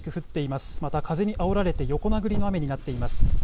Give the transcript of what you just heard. また風にあおられて横殴りの雨になっています。